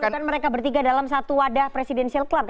pendudukan mereka bertiga dalam satu wadah presidencil club kan